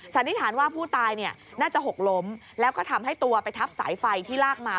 สันนิษฐานว่าผู้ตายน่าจะหกล้มแล้วก็ทำให้ตัวไปทับสายไฟที่ลากมา